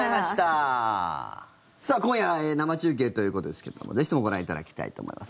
さあ、今夜生中継ということですけどもぜひともご覧いただきたいと思います。